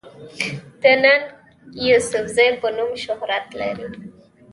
د “ ننګ يوسفزۍ” پۀ نوم شهرت لري